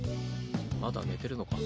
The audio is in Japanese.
まだ寝てるのか？